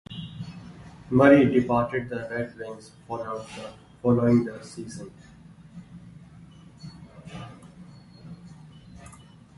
Murray departed the Red Wings following the season.